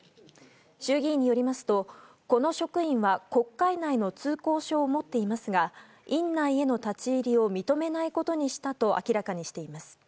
衆議院によりますとこの職員は国会内の通行証を持っていますが院内への立ち入りを認めないことにしたと明らかにしています。